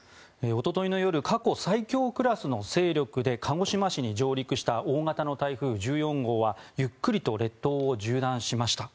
おとといの夜過去最強クラスの勢力で鹿児島市に上陸した大型の台風１４号はゆっくりと列島を縦断しました。